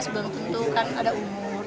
sebelum tentu kan ada umur